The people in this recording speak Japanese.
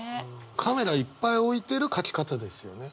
カメラいっぱい置いている書き方ですよね。